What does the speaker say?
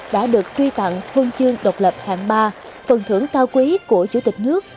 đã được truy tặng huân chương độc lập hạng ba phần thưởng cao quý của chủ tịch nước